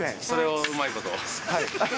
それをうまいこと。